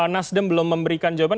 nasdem belum memberikan jawaban